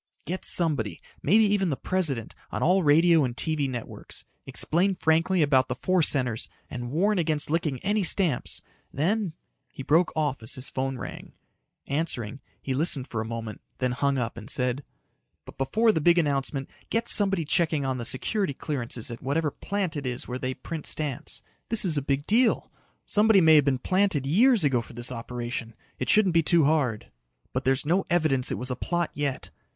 "Get somebody maybe even the President on all radio and TV networks. Explain frankly about the four centers and warn against licking any stamps. Then " He broke off as his phone rang. Answering, he listened for a moment, then hung up and said, "But before the big announcement, get somebody checking on the security clearances at whatever plant it is where they print stamps. This's a big deal. Somebody may've been planted years ago for this operation. It shouldn't be too hard. "But there's no evidence it was a plot yet.